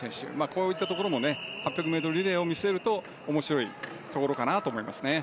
こういったところも８００ｍリレーを見据えると面白いところかなと思いますね。